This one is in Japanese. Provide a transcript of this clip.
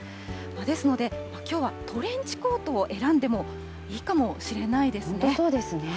ですので、きょうはトレンチコートを選んでもいいかもしれないで本当にそうですね。